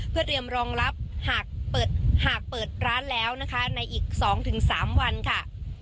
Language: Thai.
เพื่อเตรียมรองรับหากเปิดหากเปิดร้านแล้วนะคะในอีกสองถึงสามวันค่ะ